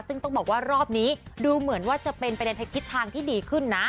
ซึ่งต้องบอกว่ารอบนี้ดูเหมือนว่าจะเป็นประเด็นทิศทางที่ดีขึ้นนะ